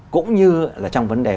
cũng như là trong vấn đề